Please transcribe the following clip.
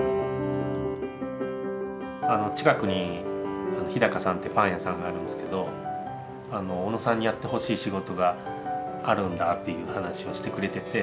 近くにＨＩＤＡＫＡさんってパン屋さんがあるんですけど小野さんにやってほしい仕事があるんだっていう話をしてくれてて。